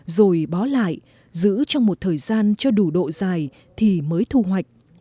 rồi bó lại giữ trong một thời gian cho đủ độ dài thì mới thu hoạch